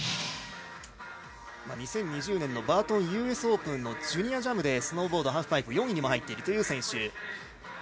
２０２０年のバートンＵＳオープンのジュニアジャムでスノーボード・ハーフパイプで４位に入っている選手。